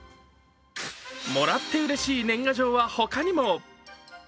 もらってうれしい年賀状はほかにも。